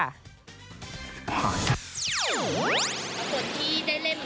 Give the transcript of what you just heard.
ส่วนที่ได้เล่นก็จะเป็นความคอยความแบบแบบนี้